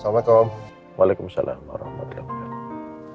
waalaikumsalam warahmatullahi wabarakatuh